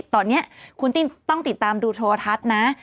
ตอนนี้คุณต้องติดตามดูโทรทัศน์นะ